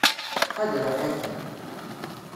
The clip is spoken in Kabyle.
Ḥader aḥaki.